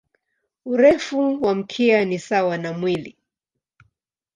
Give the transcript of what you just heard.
Urefu wa mkia ni sawa na mwili.